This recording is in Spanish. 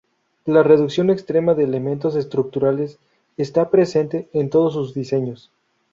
La reducción extrema de elementos estructurales está presente en todos sus diseños.